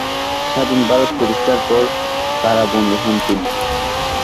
স্বাধীন ভারত প্রতিষ্ঠার পর কারাবন্দী হন তিনি।